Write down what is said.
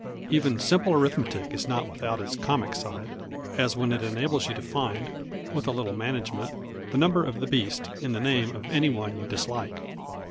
Even simple arithmetic is not without its comic side, as when it enables you to find, with a little management, the Number of the Beast in the name of any one you dislike.